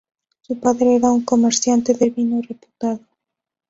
Su padre era un comerciante de vino reputado.